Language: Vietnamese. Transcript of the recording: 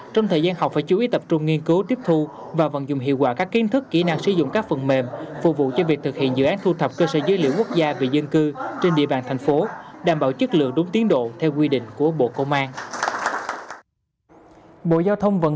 trong thời gian học phải chú ý tập trung nghiên cứu tiếp thu và vận dụng hiệu quả các kiến thức kỹ năng sử dụng các phần mềm phục vụ cho việc thực hiện dự án thu thập cơ sở dữ liệu quốc gia về dân cư trên địa bàn thành phố đảm bảo chất lượng đúng tiến độ theo quy định của bộ công an